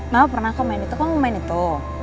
mbak pernah aku main itu kamu main itu